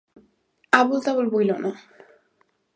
আবোল তাবোল বইল না।